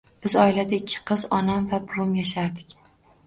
Biz oilada ikki qiz, onam va buvim yashardik